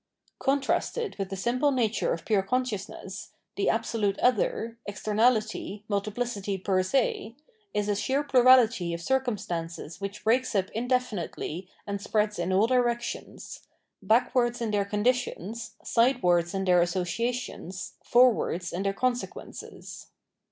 Con trasted with tbe simple nature of pure consciousness, tbe absolute other, extemabty, multipbcity per se, is a sheer plurality of circumstances which breaks up in definitely and spreads in all directions — backwards in their conditions, sidewards in their associations, for wards in their consequences.